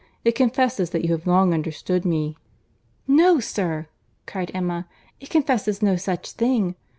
It confesses that you have long understood me." "No, sir," cried Emma, "it confesses no such thing.